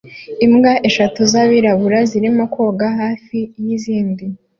Imbwa eshatu zabirabura zirimo koga hafi yizindi